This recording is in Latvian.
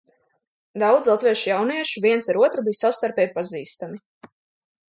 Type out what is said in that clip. Daudz latviešu jauniešu viens ar otru bija savstarpēji pazīstami.